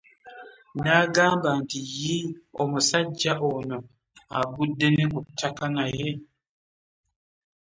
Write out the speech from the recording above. N’agamba nti Yii, omusajja ono agudde ne ku ttaka naye.